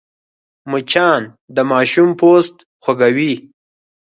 مچان د ماشوم پوست خوږوي